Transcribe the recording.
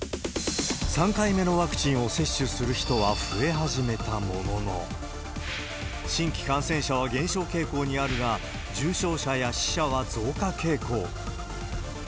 ３回目のワクチンを接種する人は増え始めたものの、新規感染者は減少傾向にあるが、重症者や死者は増加傾向。